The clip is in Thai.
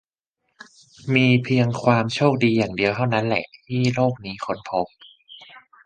มีเพียงความโชคดีอย่างเดียวเท่านั้นแหละ ที่โลกนี้ถูกค้นพบ